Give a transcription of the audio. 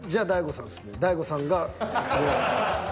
大悟さんが５位。